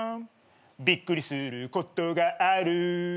「びっくりすることがある」